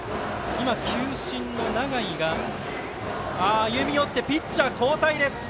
今、球審の永井が歩み寄ってピッチャー交代。